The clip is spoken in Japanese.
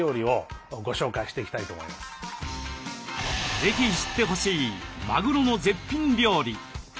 是非知ってほしいマグロの絶品料理。